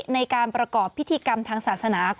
ในการประกอบพิธีกรรมทางศาสนา